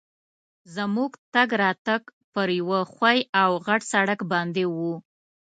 زموږ تګ راتګ پر یوه ښوي او غټ سړک باندي وو.